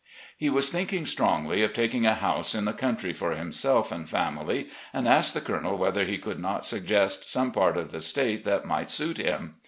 He was thinking strongly of taking a house in the cotmtry for himself eind family, and asked the Colonel whether he could not suggest some part of the State that might suit him.